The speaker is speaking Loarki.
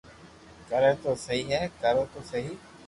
ڪري تو سھي ني ڪرو تو سھي